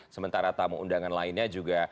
sementara tamu undangan lainnya juga